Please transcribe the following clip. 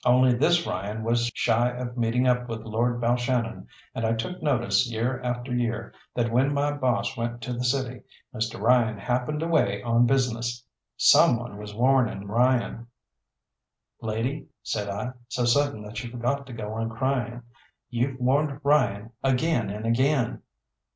Only this Ryan was shy of meeting up with Lord Balshannon, and I took notice year after year that when my boss went to the city Mr. Ryan happened away on business. Someone was warning Ryan. "Lady," said I, so sudden that she forgot to go on crying. "You've warned Ryan again and again."